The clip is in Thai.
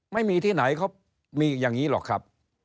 ไม่มีที่ไหนเขามีอย่างนี้หรอกครับ